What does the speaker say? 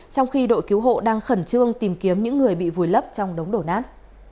trong khi đội cứu hộ đang khẩn trương tìm kiếm những người bị vùi lấp trong đống đổ nát